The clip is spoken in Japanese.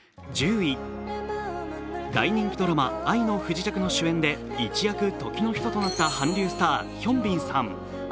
大人気ドラマ「愛の不時着」の主演で、一躍時の人となった韓流スター、ヒョンビンさん。